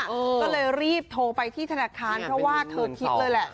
ก็เลยรีบโทรไปที่ธนาคารเพราะว่าเธอคิดเลยแหละ